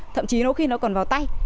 thậm chí nó có khi nó còn vào tay